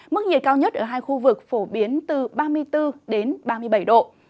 mức nhiệt cao nhất ở hai khu vực phổ biến từ ba mươi bốn đến ba mươi bảy độ